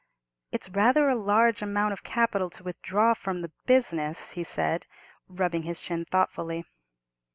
"It's rather a large amount of capital to withdraw from the business," he said, rubbing his chin, thoughtfully.